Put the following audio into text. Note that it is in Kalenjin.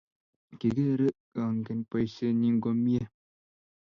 Kigerei kongen boisienyii komiee.